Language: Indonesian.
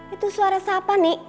itu suara siapa ndi